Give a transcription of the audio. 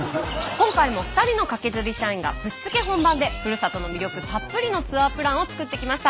今回も２人のカケズリ社員がぶっつけ本番でふるさとの魅力たっぷりのツアープランを作ってきました。